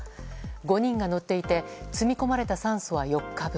５人が乗っていて積み込まれた酸素は４日分。